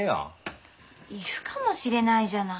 いるかもしれないじゃない。